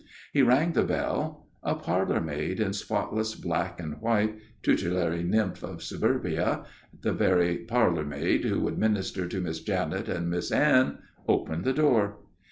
He rang the bell. A parlour maid, in spotless black and white, tutelary nymph of Suburbia, the very parlour maid who would minister to Miss Janet and Miss Anne, opened the door.